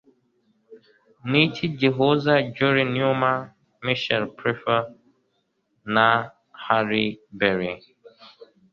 Niki gihuza Julie Newmar, Michelle Pfeiffer, & Halle Berry?